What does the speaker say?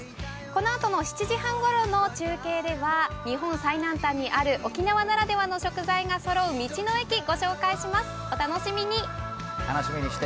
このあとの７時半ごろの中継では日本最南端にある沖縄ならではの食材がそろう道の駅を御紹介します、お楽しみに。